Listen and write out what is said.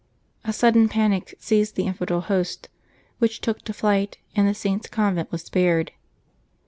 A sudden panic seized the infidel host, which took to flight, and the Saint's convent was spared.